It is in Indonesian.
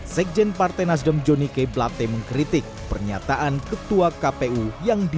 sekjen partai nasdem jonike blatte mengkritik pernyataan ketua kpu yang ditutup